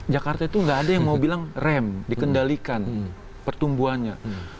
jakarta itu nggak ada yang mau bilang rem dikendalikan pertumbuhannya